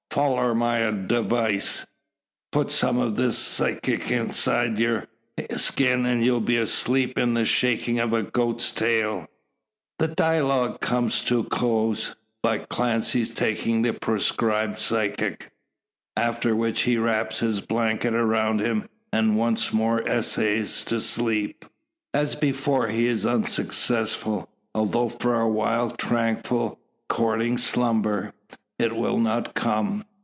Foller my deevice; put some o' this physic inside yur skin, an' you'll be asleep in the shakin' o' a goat's tail." The dialogue comes to a close by Clancy taking the prescribed physic. After which he wraps his blanket around him, and once more essays to sleep. As before, he is unsuccessful. Although for a while tranquil and courting slumber, it will not come.